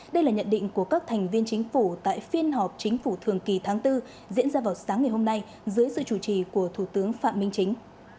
đây là nhận định của các thành viên chính phủ tại phiên họp chính phủ thường kỳ tháng bốn diễn ra vào sáng ngày hôm nay dưới sự chủ trì của thủ tướng phạm minh chính